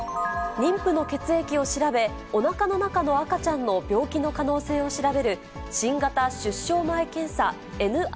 妊婦の血液を調べ、おなかの中の赤ちゃんの病気の可能性を調べる、新型出生前検査・ＮＩＰＴ。